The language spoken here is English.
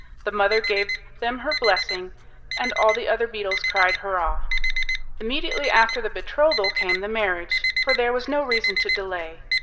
The mother gave them her blessing, and all the other beetles cried "hurrah." Immediately after the betrothal came the marriage, for there was no reason to delay.